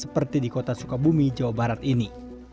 seperti di kota sukabumi jawa barat ini